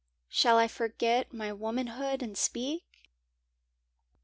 Shall I forget my womanhood and speak?